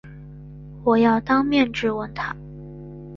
我要当面质问他